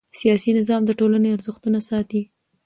سیاسي نظام د ټولنې ارزښتونه ساتي